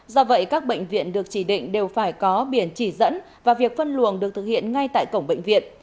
do vậy các bệnh viện được chỉ định đều phải có biển chỉ dẫn và việc phân luồng được thực hiện ngay tại cổng bệnh viện